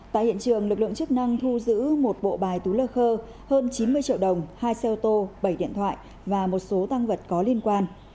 tại hiện trường lực lượng chức năng thu giữ một bộ bài tú lơ khơ hơn chín mươi triệu đồng hai xe ô tô bảy điện thoại và một số tăng vật có liên quan